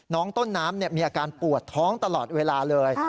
น้องต้นน้ำมีอาการปวดท้องตลอดเวลาเลย